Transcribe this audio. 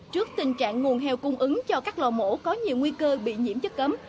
trước tình trạng nguồn heo cung ứng cho các lò mổ có nhiều nguy cơ bị nhiễm chất cấm